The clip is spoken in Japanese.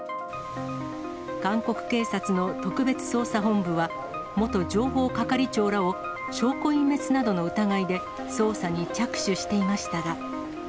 韓国警察の特別捜査本部は、元情報係長らを証拠隠滅などの疑いで、捜査に着手していましたが。